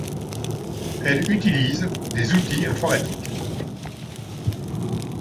Elle utilise des outils informatiques.